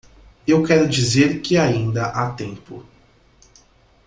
Eu quero dizer que ainda há tempo.